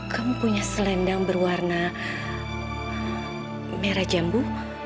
kamu punya selendang berwarna merah jambu